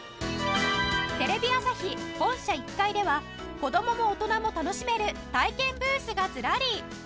テレビ朝日本社１階では子供も大人も楽しめる体験ブースがずらり！